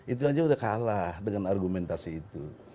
itu aja udah kalah dengan argumentasi itu